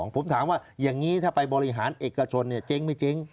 ผมถามว่าอย่างนี้ถ้าไปบริหารเอกชนเจ๊งไม่เจ๊ง